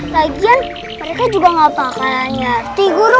lagian mereka juga enggak bakal nyerti